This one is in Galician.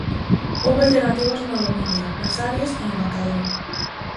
Houbo alternativas no dominio, nas áreas e no marcador.